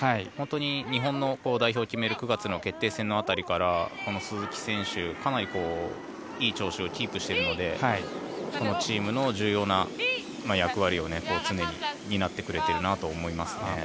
本当に日本の代表を決める９月の決定戦の辺りから鈴木選手、かなりいい調子をキープしているのでこのチームの重要な役割を常に担ってくれているなと思いますね。